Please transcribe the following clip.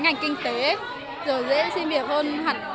ngành kinh tế rồi dễ xin việc hơn